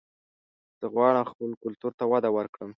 زه غواړم خپل کلتور ته وده ورکړم